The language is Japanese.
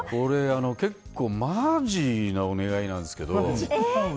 結構マジなお願いなんですけど。